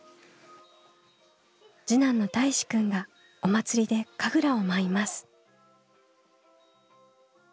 次男のたいしくんがお祭りで神楽を舞います。